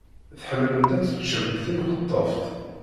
Tḥemmlemt ad teččemt timqeṭṭeft?